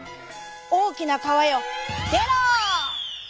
「おおきなかわよでろ！」。